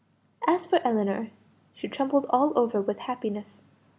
As for Ellinor, she trembled all over with happiness.